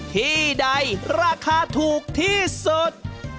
ที่ใดราคาถูกที่สุด